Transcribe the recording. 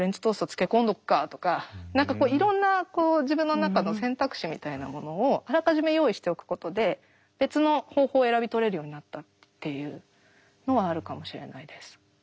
漬け込んどくかとか何かいろんなこう自分の中の選択肢みたいなものをあらかじめ用意しておくことで別の方法を選び取れるようになったっていうのはあるかもしれないです。